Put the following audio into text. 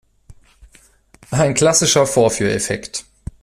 Ein klassischer Vorführeffekt!